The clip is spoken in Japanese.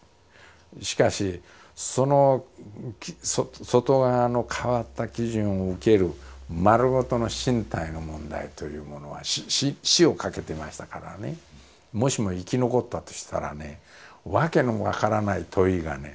しかしその外側の変わった基準を受ける丸ごとの身体の問題というものは死をかけてましたからねもしも生き残ったとしたらね訳の分からない問いがね